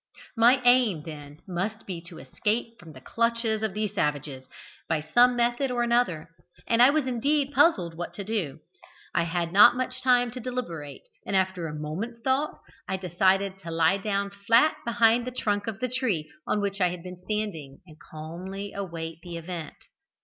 My aim, then, must be to escape from the clutches of these savages by some method or another, and I was indeed puzzled what to do. I had not much time to deliberate, and after a moment's thought, I decided to lie down flat behind the trunk of the tree on which I had been standing, and calmly await the event.